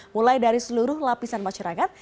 mulai dari seluruh lapisan masyarakat